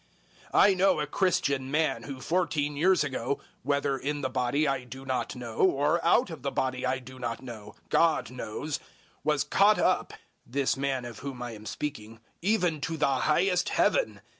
012:002 I know a Christian man who fourteen years ago whether in the body I do not know, or out of the body I do not know; God knows was caught up (this man of whom I am speaking) even to the highest Heaven.